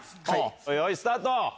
よいスタート！